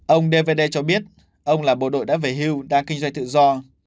ông d v d cho biết ông là bộ đội đã về hưu đang kinh doanh tự do